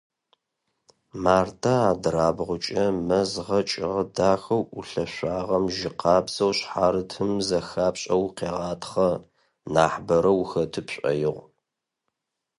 Мартэ адырабгъукӏэ мэз гъэкӏыгъэ дахэу ӏулъэшъуагъэм жьы къабзэу шъхьарытым зэхапшӏэу укъегъатхъэ, нахьыбэрэ ухэты пшӏоигъу.